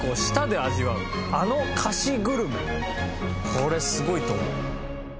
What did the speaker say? これすごいと思う。